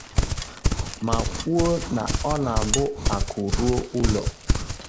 ma kwuo na ọ na-abụ akụ ruo ụlọ